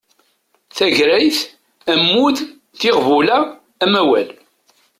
Tagrayt, ammud, tiɣbula, amawal